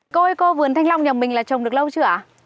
cô ơi cô vườn thanh long nhà mình là trồng được lâu chưa ạ